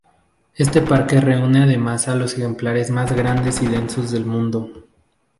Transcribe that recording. Este parque reúne además a los ejemplares más grandes y densos del mundo.